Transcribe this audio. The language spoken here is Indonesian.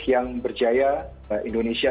yang berjaya indonesia